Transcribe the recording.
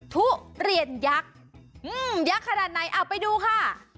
ทุเรียนยักษ์ยักษ์ขนาดไหนเอาไปดูค่ะ